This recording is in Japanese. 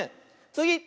つぎ！